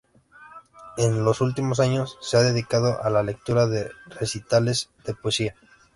En los últimos años, se ha dedicado a la lectura de recitales de poesía.